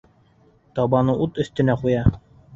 Табаны ут өҫтөнә ҡуя.